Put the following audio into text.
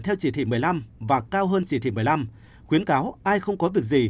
theo chỉ thị một mươi năm và cao hơn chỉ thị một mươi năm khuyến cáo ai không có việc gì